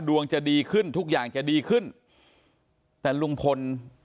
จะดีขึ้นทุกอย่างจะดีขึ้นแต่ลุงพล